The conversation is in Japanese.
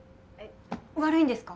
悪いんですか？